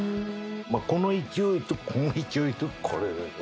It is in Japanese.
この勢いとこの勢いとこれでね。